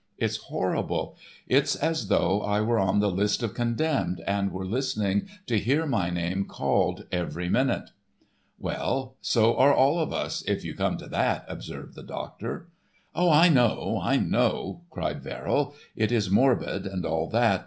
It's horrible!_ It's as though I were on the list of 'condemned' and were listening to hear my name called every minute." "Well, so are all of us, if you come to that," observed the doctor. "Oh, I know, I know," cried Verrill, "it is morbid and all that.